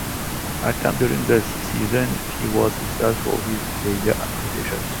At times during the season, he was criticized for his player rotations.